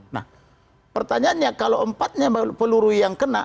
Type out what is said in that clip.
nah pertanyaannya kalau empatnya peluru yang kena